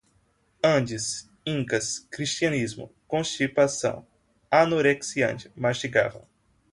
Andes, Incas, cristianismo, constipação, anorexiante, mastigavam